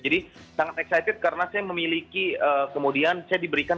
jadi sangat excited karena saya memiliki kemudian saya diberikan